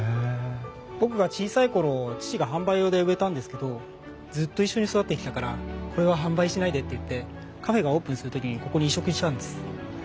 僕が小さい頃父が販売用で植えたんですけどずっと一緒に育ってきたからこれは販売しないでって言ってカフェがオープンする時にここに移植したんです。